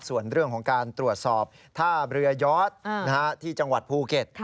ส่วนเรื่องของการตรวจสอบท่าเรือยอดที่จังหวัดภูเก็ต